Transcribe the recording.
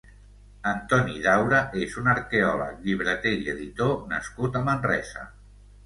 Antoni Daura és un arqueòleg, llibreter i editor nascut a Manresa.